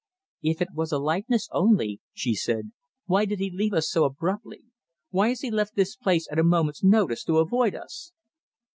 "If it was a likeness only," she said, "why did he leave us so abruptly, why has he left this place at a moment's notice to avoid us?"